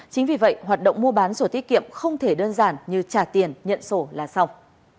chính vì vậy hoạt động mua bán sổ tiết kiệm không thể đơn giản như trả tiền nhận sổ là xong